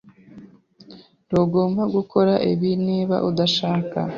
Ntugomba gukora ibi niba udashaka.